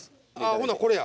ほなこれや。